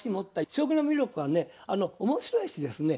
将棋の魅力はね面白いしですね